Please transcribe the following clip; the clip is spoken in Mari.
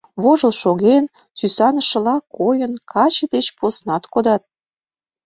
Вожыл шоген, сӱсанышыла койын, каче деч поснат кодат.